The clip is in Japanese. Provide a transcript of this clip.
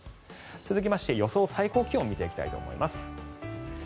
続きまして、予想最高気温を見ていきたいと思います。